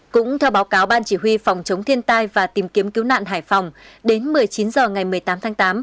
cũng theo báo cáo ban chỉ huy phòng chống thiên tai và tìm kiếm cứu nạn hải phòng đến một mươi chín h ngày một mươi tám tháng tám